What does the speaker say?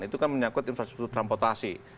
itu kan menyangkut infrastruktur transportasi